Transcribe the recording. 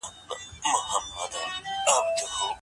هغوی له ډېر وخته فکر کوي.